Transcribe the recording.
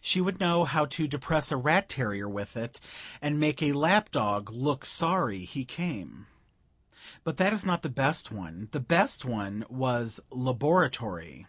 She would know how to depress a rat terrier with it and make a lap dog look sorry he came. But that is not the best one; the best one was Laboratory.